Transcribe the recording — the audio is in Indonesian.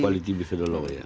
kualitas bisa dulu ya